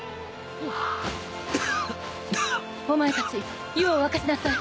お前たち湯を沸かしなさい。